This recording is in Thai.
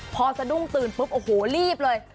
พอสะดุ้งตื่นปุ๊บโอ้โหรีบเลย